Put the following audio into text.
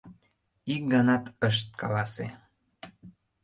Ик ганат ышт каласе.